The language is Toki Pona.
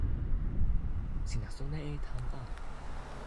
sina sona e tan a.